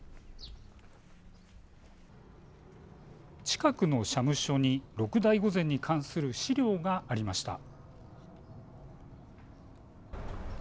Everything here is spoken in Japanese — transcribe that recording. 近くの社務所に六代御前に関する史料がありました。